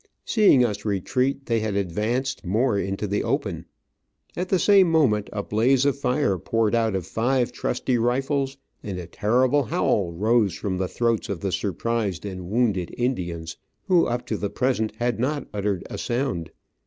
Seeing us retreat, they had advanced more into the open ; at the same moment a blaze of fire poured out of five trusty rifles, and a terrible howl rose from the throats of the surprised and wounded Indians, who up to the present had not uttered a sound.